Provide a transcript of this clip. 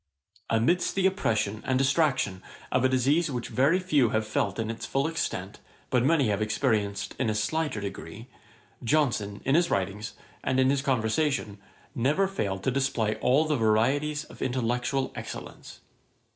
Amidst the oppression and distraction of a disease which very few have felt in its full extent, but many have experienced in a slighter degree, Johnson, in his writings, and in his conversation, never failed to display all the varieties of intellectual excellence.